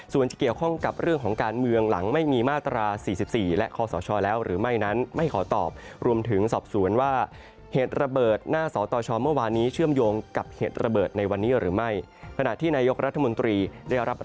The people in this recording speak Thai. ส่วนจะเกี่ยวข้องกับเรื่องของการเมืองหลังไม่มีมาตรา